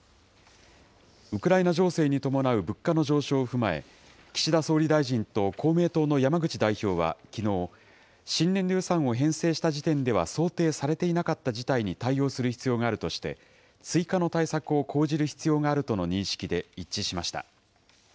ウクライナ情勢に伴う物価の上昇を踏まえ、岸田総理大臣と公明党の山口代表はきのう、新年度予算を編成した時点では想定されていなかった事態に対応する必要があるとして、追加の対策を講じる必要があるとの認識で一致しました。